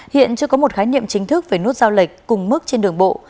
hiện chưa có một khái niệm chính thức về nút giao lệch cùng mức trên đường bộ